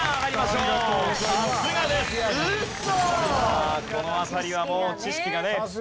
さあこの辺りはもう知識がね。